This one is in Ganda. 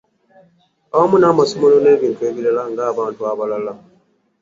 Awamu n'amasomero n'ebintu ebirala ng'abantu abalala.